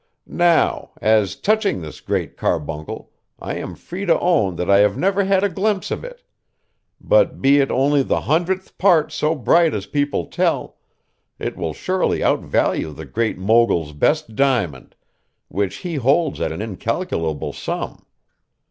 'Now, as touching this Great Carbuncle, I am free to own that I have never had a glimpse of it; but be it only the hundredth part so bright as people tell, it will surely outvalue the Great Mogul's best diamond, which he holds at an incalculable sum.